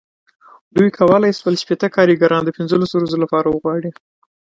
دوی کولای شول شپېته کارګران د پنځلسو ورځو لپاره وغواړي.